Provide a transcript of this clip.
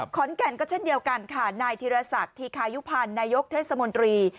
ขอนแก่นก็เช่นเดียวกันค่ะนายธีรศักดิ์ธีคายุพันธ์นายกเทศมนตรี